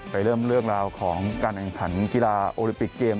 ไปเริ่มเรื่องราวของการแข่งขันกีฬาโอลิปิกเกม